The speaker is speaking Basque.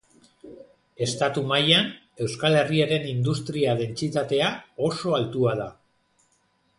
Estatu mailan, Euskal Herriaren industria-dentsitatea oso altua da.